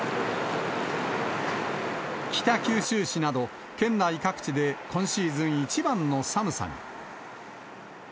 北九州市など、県内各地で今シーズン一番の寒さに。